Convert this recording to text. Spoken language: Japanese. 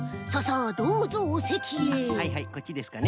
あっはいはいこっちですかね。